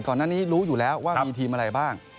ก่อนหน้านี้รู้อยู่แล้วว่ามีทีมอะไรบ้าง